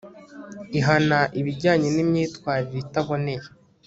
ihana ibijyanye n'imyitwarire itaboneye